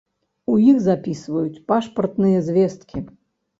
У іх запісваюць пашпартныя звесткі.